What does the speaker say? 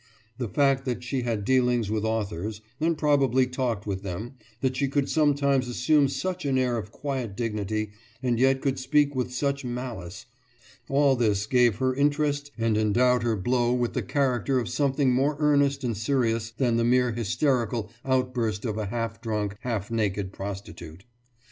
The fact that she had dealings with authors, and probably talked with them, that she could sometimes assume such an air of quiet dignity and yet could speak with such malice all this gave her interest and endowed her blow with the character of something more earnest and serious than the mere hysterical outburst of a half drunk, half naked prostitute.